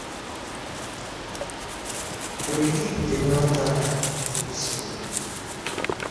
کوئ ویک دنیاتہ ووپسیلوم